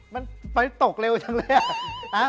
มันไฟตกเร็วจังเลยอ่ะ